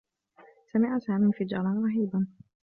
سمع سامي انفجارا رهيبا.